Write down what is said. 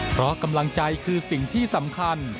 เพราะกำลังใจคือสิ่งที่สำคัญ